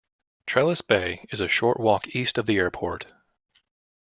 Trellis Bay is a short walk east of the airport.